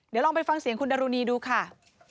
เดี๋ยวลองไปฟังเสียงคุณดรุณีดูค่ะ